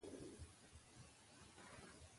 افغانستان کې د پکتیکا په اړه زده کړه کېږي.